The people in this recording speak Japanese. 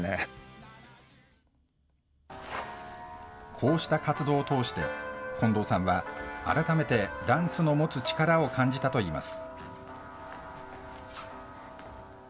こうした活動を通して、近藤さんは改めてダンスの持つ力を感じたといいます。